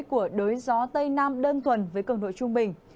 của đới gió tây nam đơn thuần với cường độ trung bình